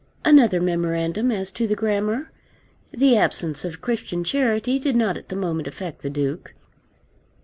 Another memorandum as to the grammar. The absence of Christian charity did not at the moment affect the Duke.